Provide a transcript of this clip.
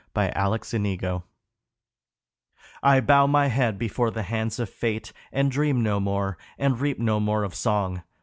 57 LAMENT FOR LILIAN I BOW my head before the hands of Fate And dream no more and reap no more of song.